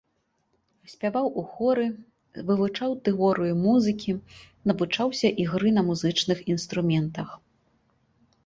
Спяваў у хоры, вывучаў тэорыю музыкі, навучаўся ігры на музычных інструментах.